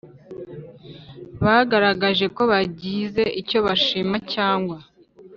bagaragaje ko bagize icyo bashima cyangwa